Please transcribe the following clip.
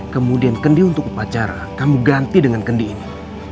kemudian kendi untuk upacara kamu ganti dengan kendi ini